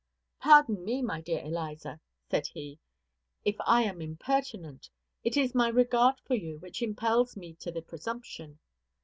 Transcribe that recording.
"Pardon me, my dear Eliza," said he, "if I am impertinent; it is my regard for you which impels me to the presumption.